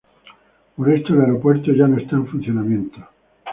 Por esto, el aeropuerto ya no está en funcionamiento.